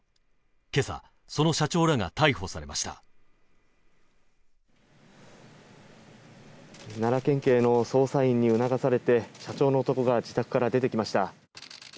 今朝その社長らが逮捕されました奈良県警の捜査員に促されて社長の男が自宅から出てきました